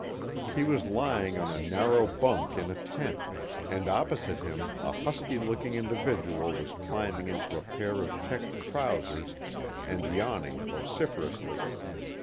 He was lying on a narrow bunk in a tent, and opposite him a husky looking individual was climbing into a pair of checked trousers and yawning vociferously.